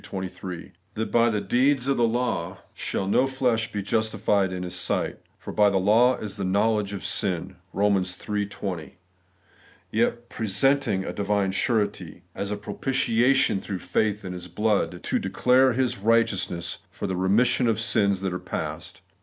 23); that 'by the deeds of the law shall no flesh be justified in His sight, for by the law is the know ledge of sin ' (Eom, iii 20) ; yet presenting a divine Surety, ' as a propitiation through faith in His blood, to declare His righteousness for the remission of sins that are past' (Eom.